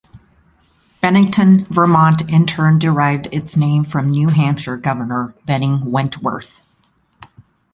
Bennington, Vermont in turn derived its name from New Hampshire governor Benning Wentworth.